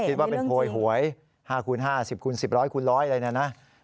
คิดว่าเป็นพวยหวย๕คูณ๕๑๐คูณ๑๐ร้อยคูณร้อยเลยนะ